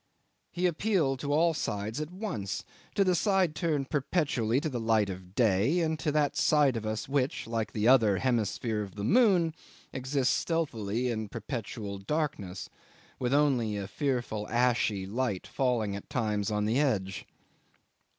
He appealed to all sides at once to the side turned perpetually to the light of day, and to that side of us which, like the other hemisphere of the moon, exists stealthily in perpetual darkness, with only a fearful ashy light falling at times on the edge.